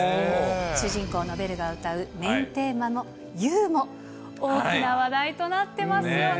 主人公のベルが歌うメインテーマのＵも大きな話題となってますよね。